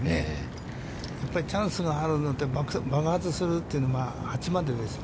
やっぱりチャンスがあるのは、爆発するというのは８までですね。